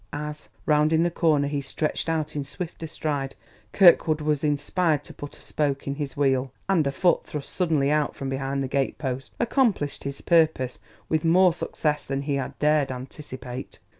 As, rounding the corner, he stretched out in swifter stride, Kirkwood was inspired to put a spoke in his wheel; and a foot thrust suddenly out from behind the gate post accomplished his purpose with more success than he had dared anticipate.